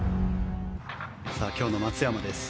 今日の松山です。